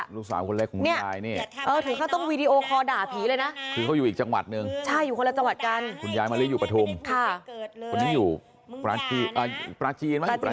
ลูกสาวคนเล็กของคุณยายนี่